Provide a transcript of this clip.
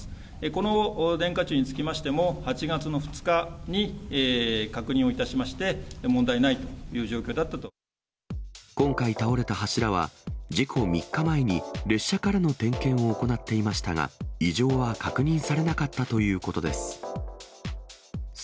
この電化柱につきましても、８月の２日に確認をいたしまして、今回倒れた柱は、事故３日前に列車からの点検を行っていましたが、異常は確認されなかったということです。